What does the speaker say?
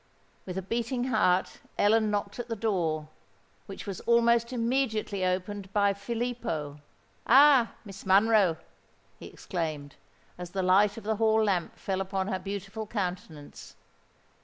With a beating heart Ellen knocked at the door, which was almost immediately opened by Filippo. "Ah! Miss Monroe!" he exclaimed, as the light of the hall lamp fell upon her beautiful countenance.